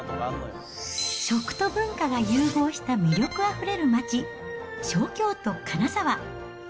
食と文化が融合した魅力あふれる街、小京都、金沢。